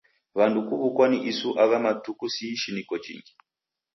W'andu kuw'ukwa ni isu agha matuku si ishiniko jinghi.